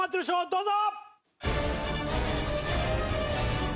どうぞ！